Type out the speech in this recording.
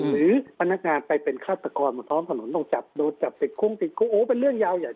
หรือพนักงานไปเป็นฆาตกรต้องจับติดคุ้งเป็นเรื่องยาวใหญ่โต